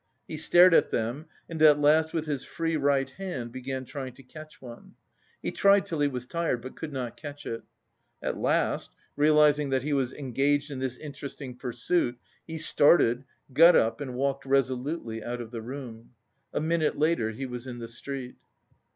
He stared at them and at last with his free right hand began trying to catch one. He tried till he was tired, but could not catch it. At last, realising that he was engaged in this interesting pursuit, he started, got up and walked resolutely out of the room. A minute later he was in the street.